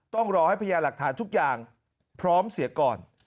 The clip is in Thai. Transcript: ต้องรอให้พญาหลักฐานทุกอย่างพร้อมเสียก่อน